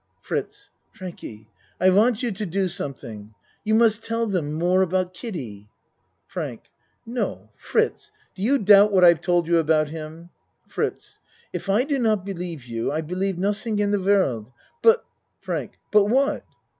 FRITZ Frankie, I want you to do something. You must tell them more about Kiddie. FRANK No ! Fritz, do you doubt what I've told you about him? FRITZ If I do not believe you, I believe nod ding in de world. But FRANK But what?